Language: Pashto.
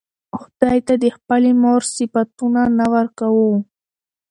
خداى ته د خپلې مور صفتونه نه ورکوو